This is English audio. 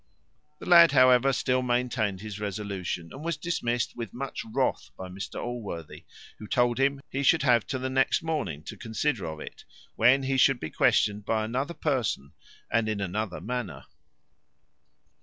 The lad, however, still maintained his resolution, and was dismissed with much wrath by Mr Allworthy, who told him he should have to the next morning to consider of it, when he should be questioned by another person, and in another manner.